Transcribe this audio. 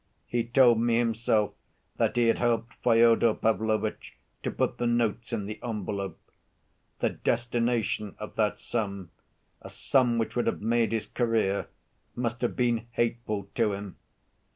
He told me himself that he had helped Fyodor Pavlovitch to put the notes in the envelope. The destination of that sum—a sum which would have made his career—must have been hateful to him.